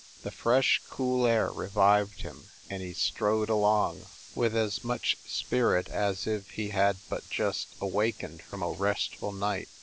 The fresh, cool air revived him and he strode along with as much spirit as if he had but just awakened from a restful night.